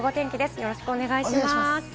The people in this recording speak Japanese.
よろしくお願いします。